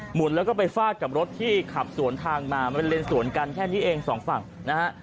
หมุนแล้วก็ไปฝากจับรถที่ขับสวนทางมามันเล็นสวนกันแค่นิดนึงเอง๒ฝั่งนะฮะ